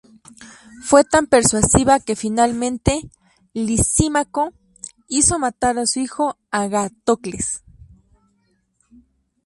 Fue tan persuasiva que finalmente Lisímaco hizo matar a su hijo Agatocles.